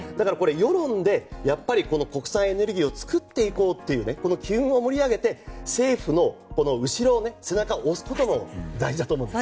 世論でやっぱりこの国産エネルギーを作っていこうという機運を盛り上げて政府の後ろを、背中を押すことも大事だと思います。